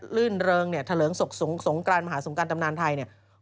ลื่นเริงเนี่ยเถลิงศกสงกรานมหาสงการตำนานไทยเนี่ย